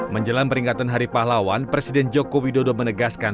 menjelang peringatan hari pahlawan presiden joko widodo menegaskan